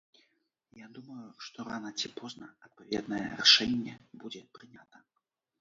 Я думаю, што рана ці позна адпаведнае рашэнне будзе прынята.